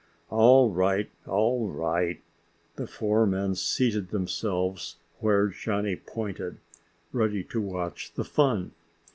"All right, all right." The four men seated themselves where Johnny pointed, ready to watch the fun.